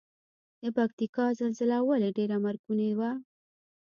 د پکتیکا زلزله ولې ډیره مرګونې وه؟